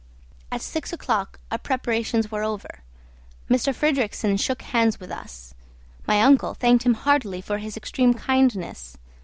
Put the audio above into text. At six o'clock our preparations were over. M. Fridrikssen shook hands with us. My uncle thanked him heartily for his extreme kindness.